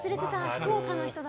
福岡の人だ。